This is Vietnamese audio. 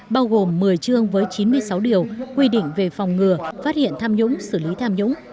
bao gồm một mươi chương với chín mươi sáu điều quy định về phòng ngừa phát hiện tham nhũng xử lý tham nhũng